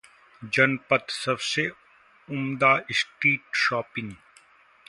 जनपथ: सबसे उम्दा street shopping